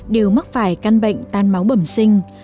đều mắc phải căn bệnh tan máu bẩm sinh